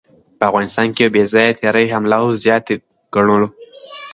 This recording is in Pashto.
په افغانستان يو بې ځايه تېرے، حمله او زياتے ګڼلو